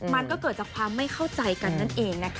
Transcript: มันก็เกิดจากความไม่เข้าใจกันนั่นเองนะคะ